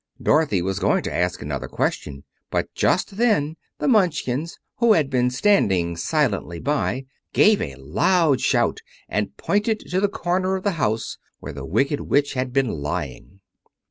Dorothy was going to ask another question, but just then the Munchkins, who had been standing silently by, gave a loud shout and pointed to the corner of the house where the Wicked Witch had been lying.